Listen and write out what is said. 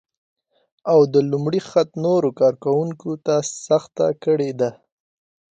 او د لومړي خط نورو کار کونکو ته سخته کړې ده